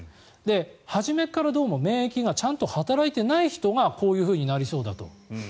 初めからどうも免疫が働いていない人がこういうふうになりそうだと。